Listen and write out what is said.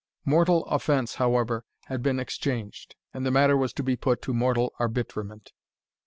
Mortal offence, however, had been exchanged, and the matter was to be put to mortal arbitrement.